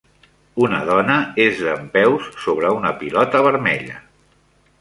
Una dona és dempeus sobre una pilota vermella.